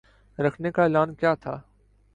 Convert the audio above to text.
رکھنے کا اعلان کیا تھا